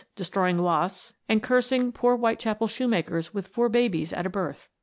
destroying wasps, and cursing poor Whitechapel shoemakers with four babies at a birth